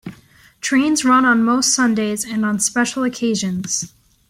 Trains run on most Sundays and on special occasions.